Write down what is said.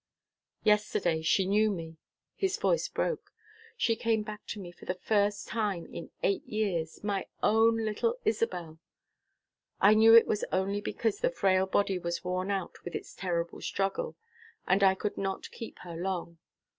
Yesterday she knew me!" His voice broke. "She came back to me for the first time in eight years, my own little Isabel! I knew it was only because the frail body was worn out with its terrible struggle, and I could not keep her long.